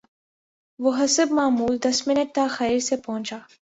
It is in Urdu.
وہ حسب معمول دس منٹ تا خیر سے پہنچا